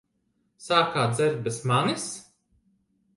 Sākāt dzert bez manis?